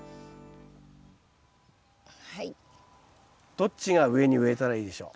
どっちが上に植えたらいいでしょう？